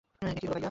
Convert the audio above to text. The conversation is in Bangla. এ কী হলো, ভাইয়া?